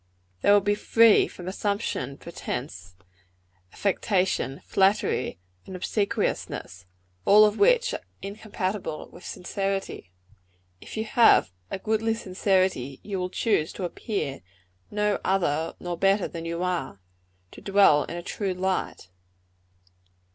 They will be free from assumption, pretence, affectation, flattery and obsequiousness, which are all incompatible with sincerity. If you have a goodly sincerity, you will choose to appear no other nor better than you are to dwell in a true light."